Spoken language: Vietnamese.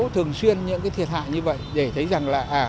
thường xuyên những cái thiệt hại như vậy để thấy rằng là